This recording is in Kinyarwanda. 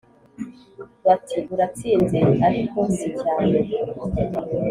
Bati : Uratsinze ariko si cyane.